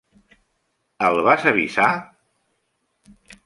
El vas avisar?